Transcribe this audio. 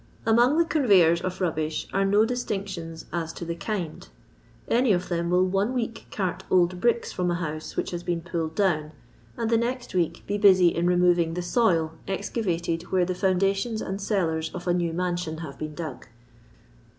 Among the conveyors of rubbish are no dis tinctions as to the kind. Any of them will one week cart old bricks from a house which has been pulled down, and the next week be busy in re moving the soil excavated where the foundations and celburs of a new mansion have been dug.